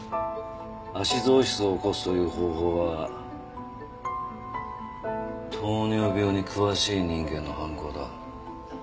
アシドーシスを起こすという方法は糖尿病に詳しい人間の犯行だ。